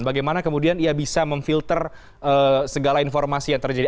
bagaimana kemudian ia bisa memfilter segala informasi yang terjadi